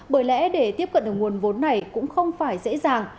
bởi lẽ để tiếp cận được nguồn vốn này cũng không phải dễ dàng